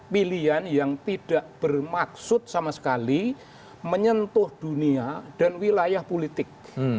pilihan yang tidak bermaksud sama sekali menyentuh dunia dan wilayah politik